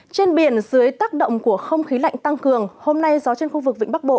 trên biển dưới tác động của không khí lạnh tăng cường hôm nay gió trên khu vực vĩnh bắc bộ